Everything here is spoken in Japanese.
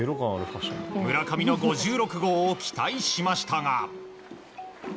村上の５６号を期待しましたが。